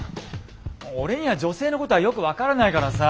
俺には女性のことはよく分からないからさあ